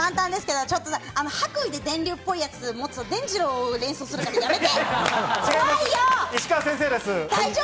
ちょっと白衣で電流っぽいやつを持つと、でんじろう連想するからやめて。